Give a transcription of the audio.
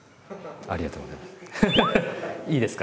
ありがとうございます。